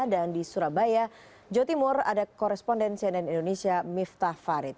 dan di surabaya jawa timur ada korespondensi cnn indonesia miftah farid